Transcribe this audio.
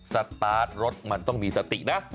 สตาร์ทรถมันต้องมีสตินะ